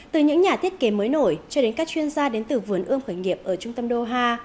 từ những nhà thiết kế mới nổi cho đến các chuyên gia đến từ vườn ươm khởi nghiệp ở trung tâm doha